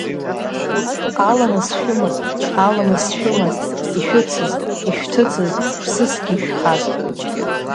Аламыс шәымаз, аламыс шәымаз, ишәыцыз, ишәҭыцыз ԥсысгьы ишәхаз!